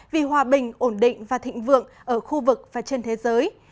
vì hòa bình ổn định và thịnh vượng ở khu vực và trên thế giới